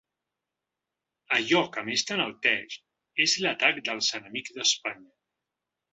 Allò que més t’enalteix és l’atac dels enemics d’Espanya.